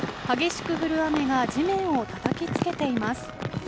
激しく降る雨が地面をたたきつけています。